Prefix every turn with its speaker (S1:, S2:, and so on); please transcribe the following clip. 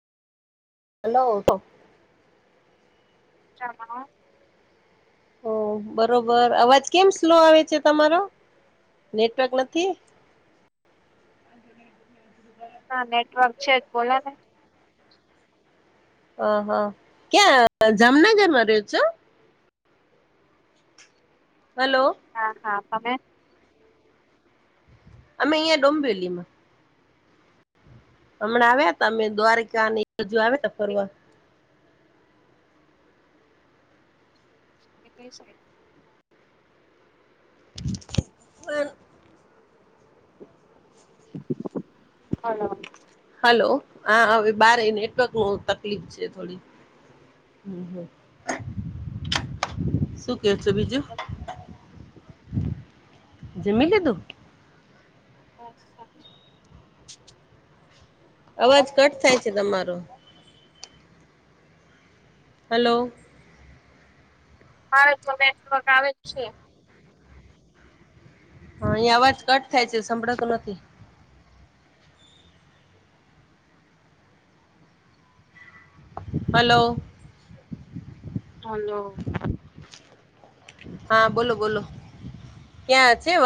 S1: Hello તો
S2: ચમાં
S1: ઓ બરોબર અવાજ કેમ સ્લો આવે છે? તમારો નેટવર્ક નથી?
S2: ના, નેટવર્ક છે જ બોલો ને.
S1: અ હઅ ક્યાં જામનગરમાં રયો છો? હલો.
S2: હા, હા તમે
S1: અમે અઈયા ડોમ્વેલીમાં. હમણાં આવ્યા તા અમે દ્વારકાની હજુ આવે ફરવા.
S2: એટલે છેક.
S1: પણ
S2: હલો.
S1: હલો હા અવે બાર આઈ નેટવર્ક બઉ તકલીફ છે થોડી. સુ કેવુ છે બીજું? જમી લીધુ?
S2: મજામ છે, હવ
S1: અવાજ કટ થાય
S2: ક્યારનું
S1: છે
S2: તમે?
S1: તમારો હલો.
S2: મારે તો નેટવર્ક આવે જ છે.
S1: હન, અહી
S2: હલો
S1: અવાજ કટ થાય છે સાભળતુ નથી. હલો.
S2: હલો.
S1: હા, બોલો બોલો ક્યાં છે વ